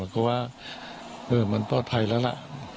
ก็ว่ามันปลอดภัยแล้วละ